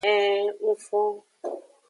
Ee ng fon.